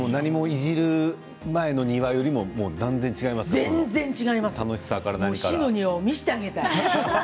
いじるの庭よりも全然違います。